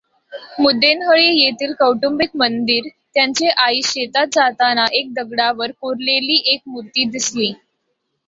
मुद्देनहळ्ळी येथील कौटुंबिक मंदिर त्यांचे आईस शेतात जाताना एका दगडावर कोरलेली एक मुर्ती दिसली.